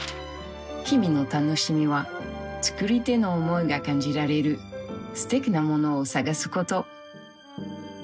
日々の楽しみは作り手の思いが感じられるすてきなものを探すこと。